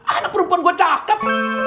anak perempuan gua cakep